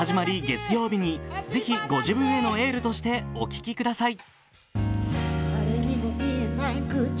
月曜日にぜひご自分へのエールとしてお聴きください。